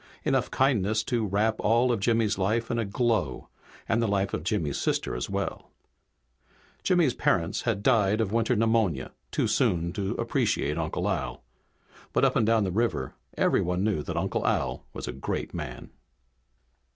Enough kindness to wrap all of Jimmy's life in a glow, and the life of Jimmy's sister as well. Jimmy's parents had died of winter pneumonia too soon to appreciate Uncle Al. But up and down the river everyone knew that Uncle Al was a great man.